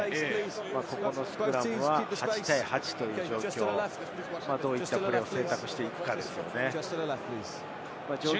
ここのスクラムは８対８、どういったプレーを選択していくかですね。